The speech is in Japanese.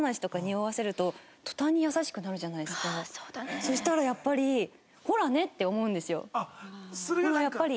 そしたらやっぱりほらね！って思うんですよ。